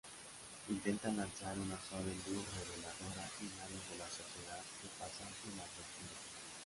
Intenta lanzar una suave luz reveladora en áreas de la sociedad que pasan inadvertidas.